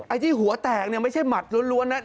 ไอ้ที่หัวแตกไม่ใช่หมัดล้วนนั้น